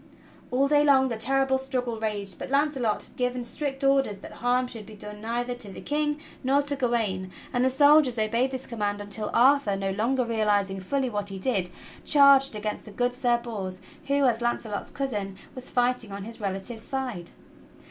All day long the terrible struggle raged, but Launcelot had given strict orders that harm should be done neither to the King nor to 146 THE STORY OF KING ARTHUR Gawain; and the soldiers obeyed this command until Arthur, no longer realizing fully what he did, charged against the good Sir Bors, who, as Launcelot's cousin, was fighting on his relative's side.